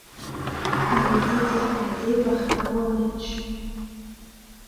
Elle est interprétée par Carol Rich.